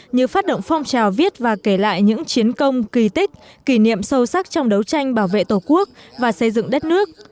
như phát động phong trào viết và kể lại những chiến công kỳ tích kỷ niệm sâu sắc trong đấu tranh bảo vệ tổ quốc và xây dựng đất nước